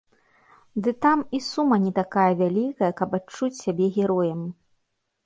Ды там і сума не такая вялікая, каб адчуць сябе героем.